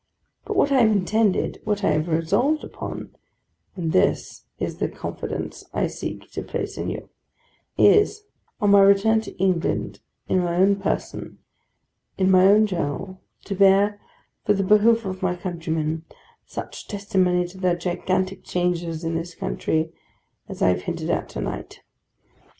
But what I have intended, what I have resolved upon (and this is the confidence I seek to place in you) is, on my return to England, in my own person, in my own journal, to bear, for the behoof of my countrymen, such testimony to the gigantic changes in this country as I have hinted at to night.